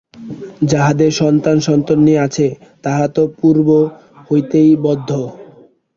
যাহাদের সন্তান-সন্ততি আছে, তাহারা তো পূর্ব হইতেই বদ্ধ।